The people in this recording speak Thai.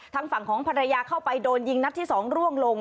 ทางฝั่งของภรรยาเข้าไปโดนยิงนัดที่๒ร่วงลง